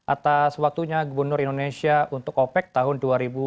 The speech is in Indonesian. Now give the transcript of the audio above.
atas waktunya gubernur indonesia untuk opec tahun dua ribu lima belas dua ribu enam belas